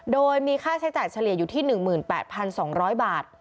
โดยมีค่าใช้จ่ายเฉลี่ยอยู่ที่๑๘๒๐๐บาท